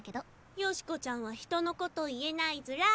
善子ちゃんは人のこと言えないずら。